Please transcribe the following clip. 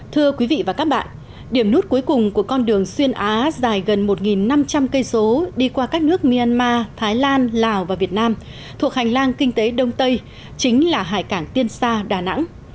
thưa quý vị và các bạn điểm nút cuối cùng của con đường xuyên á dài gần một năm trăm linh km đi qua các nước myanmar thái lan lào và việt nam thuộc hành lang kinh tế đông tây chính là hải cảng tiên sa đà nẵng